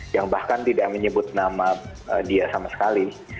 yang bahkan tidak menyebut nama dia sama sekali